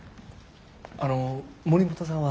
あの森本さんは。